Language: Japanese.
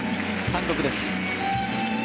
単独です。